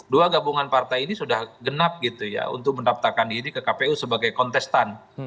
dua gabungan partai ini sudah genap gitu ya untuk mendapatkan kekuatan